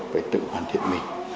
phải tự hoàn thiện mình